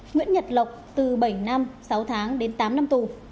nguyễn nhật lộc từ bảy năm sáu tháng đến tám năm tù